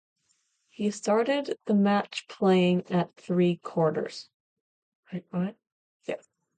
He started the match playing at Three Quarters.